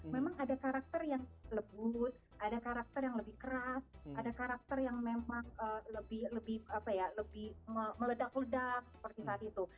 memang ada karakter yang lebut ada karakter yang lebih keras ada karakter yang memang lebih meledak ledak seperti saat itu